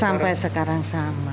sampai sekarang sama